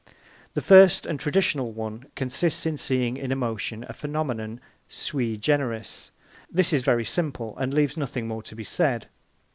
The first and traditional one consists in seeing in emotion a phenomenon sui generis; this is very simple, and leaves nothing more to be said.